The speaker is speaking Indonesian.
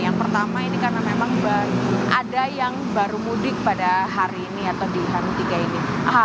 yang pertama ini karena memang baru ada yang baru mudik pada hari ini atau di hanu tiga ini